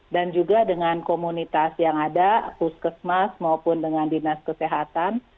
dan juga dengan komunitas yang ada puskesmas maupun dengan dinas kesehatan